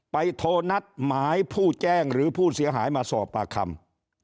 โทรนัดหมายผู้แจ้งหรือผู้เสียหายมาสอบปากคำ